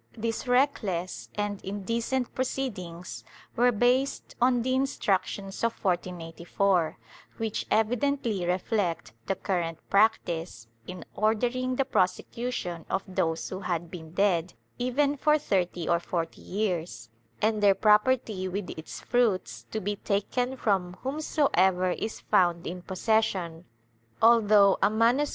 ^ These reckless and indecent proceedings were based on the Instructions of 1484, which evidently reflect the current practice in ordering the prosecution of those who had been dead even for thirty or forty years, and their property with its fruits to be taken from whomsoever is found in possession, although a MS.